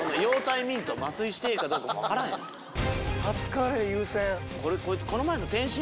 カツカレー優先。